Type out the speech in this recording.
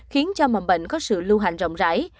khiến cho mầm bệnh có sự lưu hành rộng rãi